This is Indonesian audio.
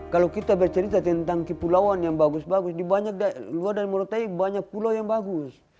kalau kita bercerita tentang kepulauan yang bagus bagus di luar dan di murau taik banyak pulau yang bagus